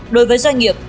đối với doanh nghiệp